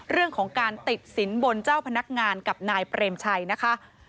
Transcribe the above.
เรื่องของการติดสินบนเจ้าพนักงานกับนายเปรมชัยนะคะ